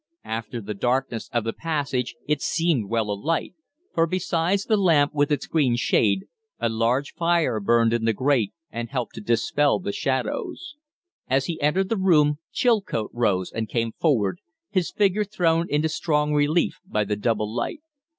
After the darkness of the passage it seemed well alight, for, besides the lamp with its green shade, a large fire burned in the grate and helped to dispel the shadows. As he entered the room Chilcote rose and came forward, his figure thrown into strong relief by the double light.